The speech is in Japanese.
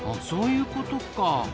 そういうことか。